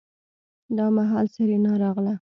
دا مهال سېرېنا راغله.